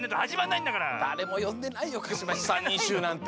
だれもよんでないよかしまし３にんしゅうなんて。